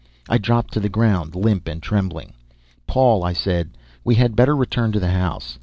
I dropped to the ground, limp and trembling. "Paul," I said, "we had better return to the house.